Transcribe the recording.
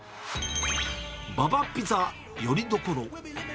ババピザよりどころ。